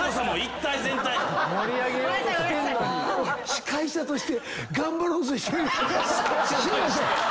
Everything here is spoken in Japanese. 司会者として頑張ろうとしてるのにね